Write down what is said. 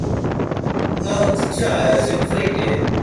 Are the tyres inflated?